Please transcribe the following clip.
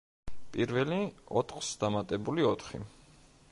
პირველი, ოთხს დამატებული ოთხი.